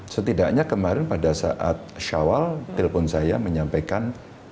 setidaknya kemarin pada saat syawal telpon saya menyampaikan